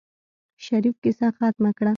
شريف کيسه ختمه کړه.